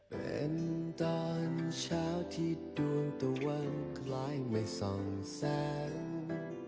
เป็นตอนเช้าที่ดวงตะวันคล้ายไม่ส่องแสง